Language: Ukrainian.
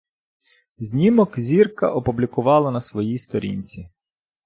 Знімок зірка опублікувала на своїй сторінці.